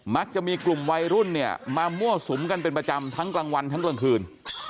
มักจะมีกลุ่มวัยรุ่นเนี่ยมามั่วสุมกันเป็นประจำทั้งกลางวันทั้งกลางคืน